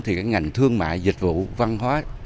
thì cái ngành thương mại dịch vụ văn hóa